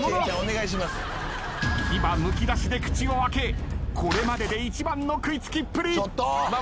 牙むき出しで口を開けこれまでで一番の食い付きっぷり。